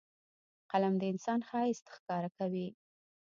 قلم د انسان ښایست ښکاره کوي